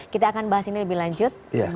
kita akan bahas ini lebih lanjut